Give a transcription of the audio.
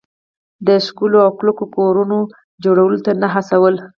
د ښکلو او کلکو کورونو جوړولو ته نه هڅول.